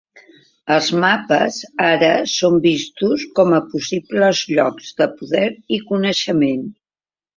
Els mapes, ara, són vistos com a possibles llocs de poder i coneixement.